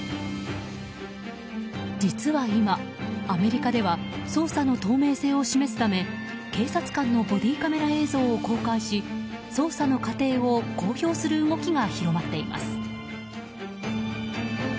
実は今、アメリカでは捜査の透明性を示すため警察官のボディーカメラ映像を公開し捜査の過程を公表する動きが広まっています。